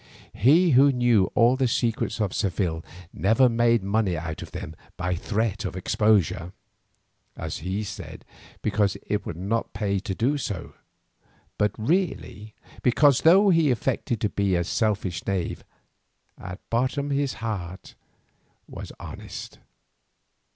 He who knew all the secrets of Seville never made money out of them by threat of exposure, as he said because it would not pay to do so, but really because though he affected to be a selfish knave, at bottom his heart was honest.